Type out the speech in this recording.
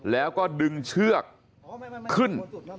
แล้วก็ดึงเชือกขึ้น